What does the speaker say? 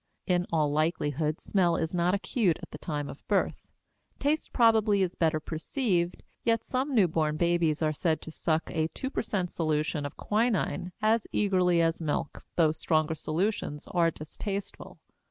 In all likelihood, smell is not acute at the time of birth. Taste probably is better perceived, yet some newborn babies are said to suck a two per cent solution of quinin as eagerly as milk, though stronger solutions are distasteful.